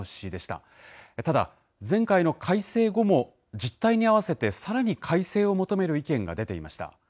ただ、前回の改正後も実態に合わせてさらに改正を求める意見が出ていました。